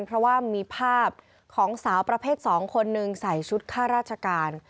เพราะว่ามีภาพของสาวประเภท๒คนหนึ่งใส่ชุดค่าราชการ